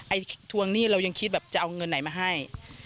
ทวงหนี้เรายังคิดแบบจะเอาเงินไหนมาให้